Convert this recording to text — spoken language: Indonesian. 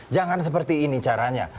jangan seperti ini caranya